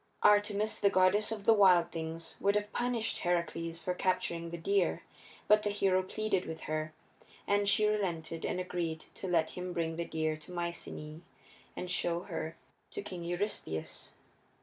Artemis, the goddess of the wild things, would have punished Heracles for capturing the deer, but the hero pleaded with her, and she relented and agreed to let him bring the deer to Mycenæ and show her to King Eurystheus.